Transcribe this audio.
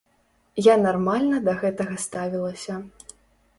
Я нармальна да гэтага ставілася.